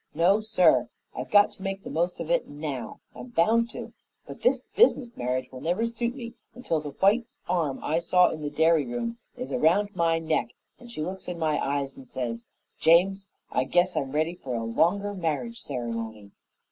No, sir! I've got to make the most of it now I'm bound to but this business marriage will never suit me until the white arm I saw in the dairy room is around my neck, and she looks in my eyes and says, 'James, I guess I'm ready for a longer marriage ceremony.'"